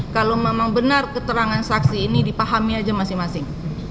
kalau memang benar keterangan saksi ini dipahami aja masing masing